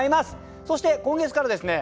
そして今月からですね